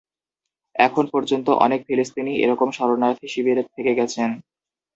এখন পর্যন্ত অনেক ফিলিস্তিনী এরকম শরণার্থী শিবিরে থেকে গেছেন।